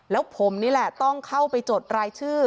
แล้วผมนี่แหละต้องเข้าไปจดรายชื่อ